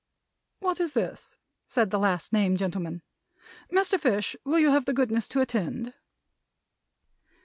"What is this?" said the last named gentleman. "Mr. Fish, will you have the goodness to attend?"